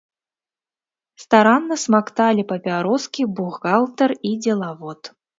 Старанна смакталі папяроскі бухгалтар і дзелавод.